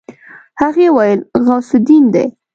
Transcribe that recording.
هغې وويل غوث الدين دی.